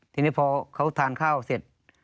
ทีนี้พอเขาทานข้าวเสร็จ